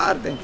pak afr pak